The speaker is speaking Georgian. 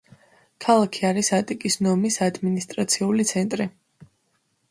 ქალაქი არის ატიკის ნომის ადმინისტრაციული ცენტრი.